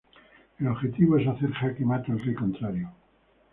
El objetivo es hacer jaque mate al rey contrario.